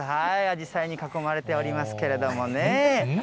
あじさいに囲まれておりますけれどもね。